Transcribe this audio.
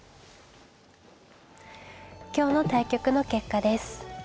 今日の対局の結果です。